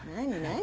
何？